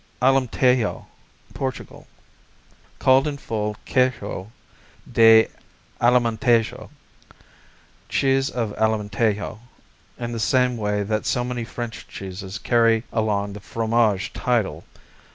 Alemtejo Portugal Called in full Queijo de Alemtejo, cheese of Alemtejo, in the same way that so many French cheeses carry along the fromage title.